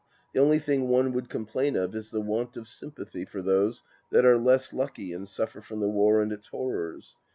The only thing one would complam of is the want of sympathy for those that are less lucky and suffer from the war and its horrors.